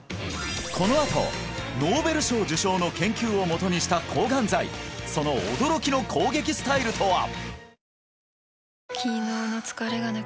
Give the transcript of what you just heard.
このあとノーベル賞受賞の研究をもとにした抗がん剤その驚きの攻撃スタイルとは！？